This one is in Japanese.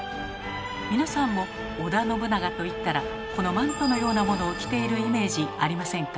皆さんも織田信長といったらこのマントのようなものを着ているイメージありませんか？